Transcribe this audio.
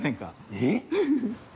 えっ！？